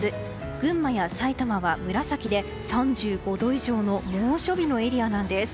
群馬やさいたまは紫で３５度以上の猛暑日のエリアなんです。